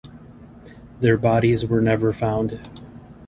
Their bodies were never found.